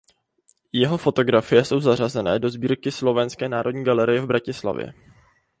Jeho fotografie jsou zařazené do sbírky Slovenské národní galerie v Bratislavě.